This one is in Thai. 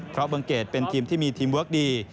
เพราะเบื้องเกดเป็นทีมที่มีทีมเวิร์คดี